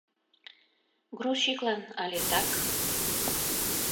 Грузчиклан але так?